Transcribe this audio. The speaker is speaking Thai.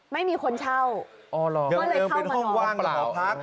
ไม่มีคนเช่าก็เลยเข้ามานอนค่ะอ๋อเหรอเป็นห้องว่างหรือห้องพัก